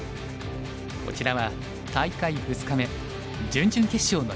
こちらは大会２日目準々決勝の様子です。